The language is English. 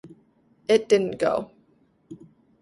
It didn't go.